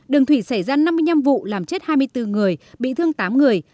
đường thủy xảy ra năm mươi năm vụ làm chết hai mươi bốn người bị thương tám người